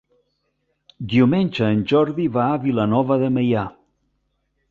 Diumenge en Jordi va a Vilanova de Meià.